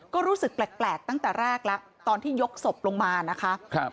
ก็รู้สึกแปลกตั้งแต่แรกแล้วตอนที่ยกศพลงมานะคะ